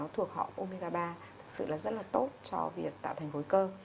thực sự là rất là tốt cho việc tạo thành hồi cơ